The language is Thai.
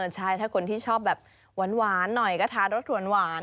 ใช่ถ้าคนที่ชอบแบบหวานหน่อยก็ทานรสหวาน